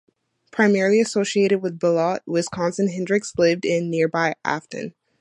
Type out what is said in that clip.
Primarily associated with Beloit, Wisconsin, Hendricks lived in nearby Afton.